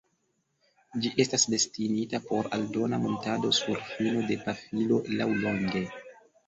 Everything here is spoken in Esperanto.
Ĝi estas destinita por aldona muntado sur fino de pafilo laŭlonge.